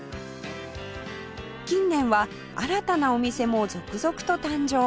近年は新たなお店も続々と誕生